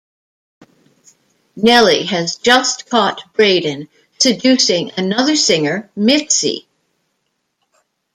Nellie has just caught Braden seducing another singer, Mitzi.